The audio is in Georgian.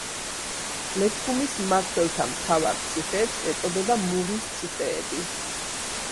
ლეჩხუმის მმართველთა მთავარ ციხეებს ეწოდება მურის ციხეები.